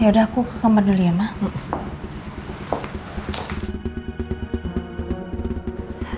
yaudah aku ke kamar dulu ya mah